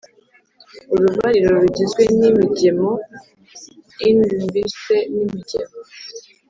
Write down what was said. urubariro rugizwe n'im igemo inlmbirse n'imigemo